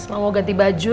mau ganti baju